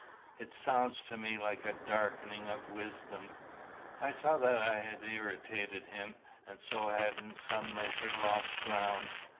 It sounds to me like a darkening of wisdom." I saw that I had irritated him, and so had in some measure lost ground.